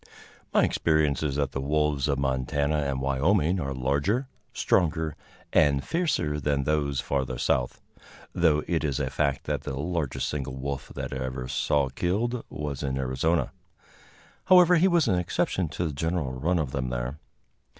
] My experience is that the wolves of Montana and Wyoming are larger, stronger and fiercer than those further south, though it is a fact that the largest single wolf that I ever saw killed was in Arizona. However, he was an exception to the general run of them there.